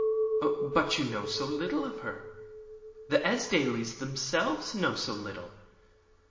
"But you know so little of her. The Esdailes themselves know so little.